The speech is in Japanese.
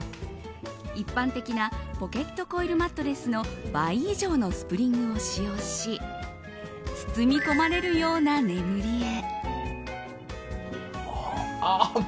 一般的なポケットコイルマットレスの倍以上のスプリングを使用し包み込まれるような眠りへ。